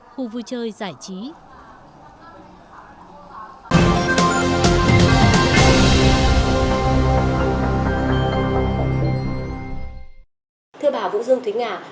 khu vui chơi giải trí